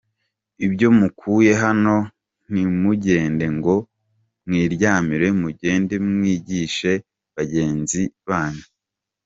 Ibyo mukuye hano ntimugende ngo mwiryamire mugende mwigishe bagenzi banyu.